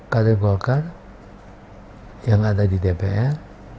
kader golkar yang ada di dpr